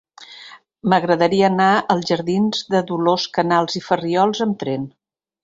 M'agradaria anar als jardins de Dolors Canals i Farriols amb tren.